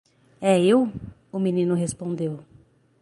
"É eu?" o menino respondeu.